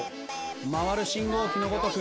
回る信号機のごとく。